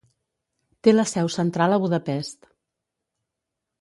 Té la seu central a Budapest.